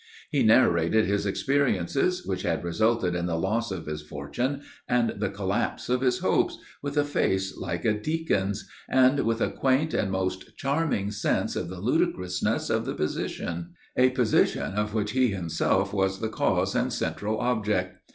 He narrated his experiences, which had resulted in the loss of his fortune and the collapse of his hopes, with a face like a deacon's, and with a quaint and most charming sense of the ludicrousness of the position a position of which he himself was the cause and central object.